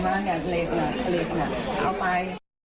เอาไป